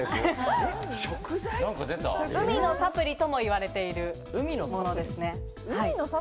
海のサプリともいわれているものですね。